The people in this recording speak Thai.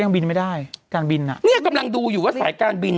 ในห้างได้